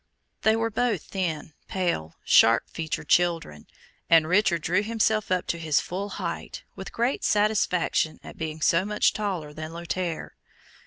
They were both thin, pale, sharp featured children, and Richard drew himself up to his full height, with great satisfaction at being so much taller than Lothaire.